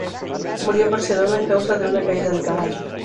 Murió en Barcelona a causa de una caída de caballo.